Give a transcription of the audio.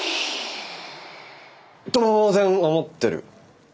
当然思ってる。